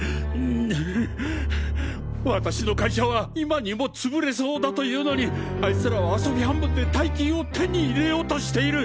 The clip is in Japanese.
私の会社は今にもつぶれそうだというのにあいつらは遊び半分で大金を手に入れようとしている。